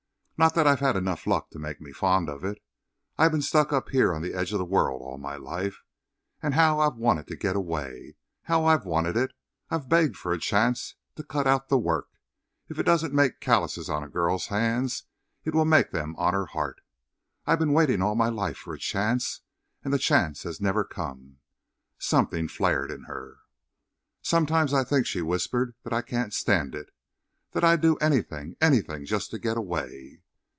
"Not that I've had enough luck to make me fond of it. I've been stuck up here on the edge of the world all my life. And how I've wanted to get away! How I've wanted it! I've begged for a chance to cut out the work. If it doesn't make callouses on a girl's hands it will make them on her heart. I've been waiting all my life for a chance, and the chance has never come." Something flared in her. "Sometimes I think," she whispered, "that I can't stand it! That I'd do anything! Anything just to get away."